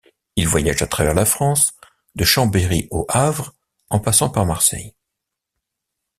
Il voyage à travers la France, de Chambéry au Havre en passant par Marseille.